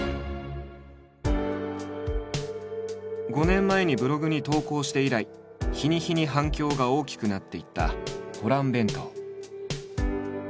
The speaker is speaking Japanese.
５年前にブログに投稿して以来日に日に反響が大きくなっていったホラン弁当。